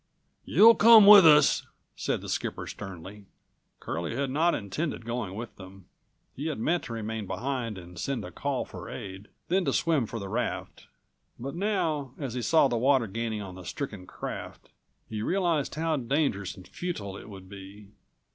"You'll come with us," said the skipper sternly. Curlie had not intended going with them. He had meant to remain behind and send a call for aid, then to swim for the raft. But now, as he saw the water gaining on the stricken craft, he realized how dangerous and futile it would be.